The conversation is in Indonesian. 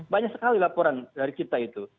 banyak sekali laporan dari kita itu